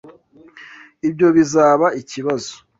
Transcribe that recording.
Ibyo bizaba ikibazo.